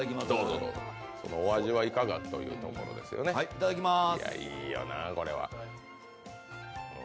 いただきまーす。